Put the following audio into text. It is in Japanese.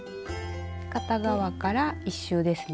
片側から１周ですね。